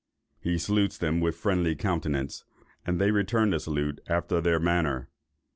He salutes them with friendly countenance, and they return the salute after their manner.